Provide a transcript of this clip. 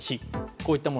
こういったもの